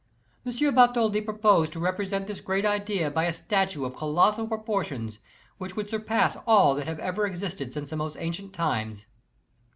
M. Bartholdi proposed to represent this great idea by a statue of colossal proportions which would surpass all that have ever existed since the most ancient times.